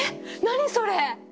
何それ！？